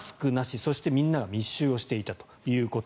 そしてみんなが密集していたと。